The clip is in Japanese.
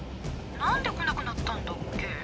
なんで来なくなったんだっけ？